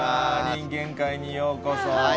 人間界にようこそ。